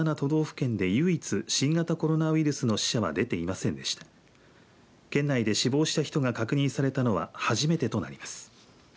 県内で死亡した人が確認されたのは初めてとなります。